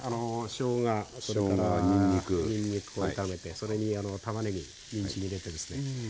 しょうがそれからにんにくを炒めてそれにたまねぎにんじん入れてですね